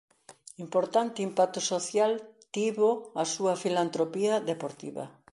Importante impacto social tivo a súa filantropía deportiva.